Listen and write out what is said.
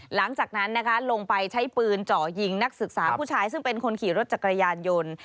หลังจากนั้นนะคะลงไปใช้ปืนเจาะยิงนักศึกษาผู้ชายซึ่งเป็นคนขี่รถจักรยานยนต์